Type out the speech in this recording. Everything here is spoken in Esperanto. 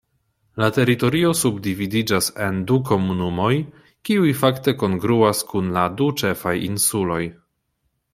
La teritorio subdividiĝas en du komunumoj, kiuj fakte kongruas kun la du ĉefaj insuloj.